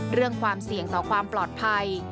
เรื่องความเสี่ยงต่อความปลอดภัย